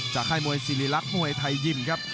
จากค่ายมวยซีรีรักมวยไทยยิมครับ